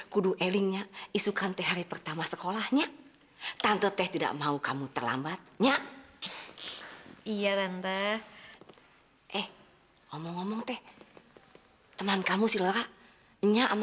kalo lu sampe sekolah gua sampe yang bantuin